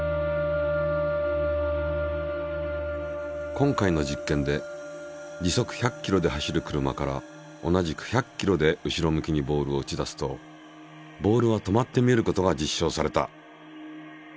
今回の実験で時速１００ｋｍで走る車から同じく１００ｋｍで後ろ向きにボールを打ち出すとボールは止まって見えることが実証された。